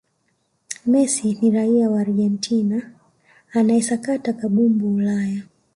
messi ni raia wa argentina anayesakata kambumbu ulaya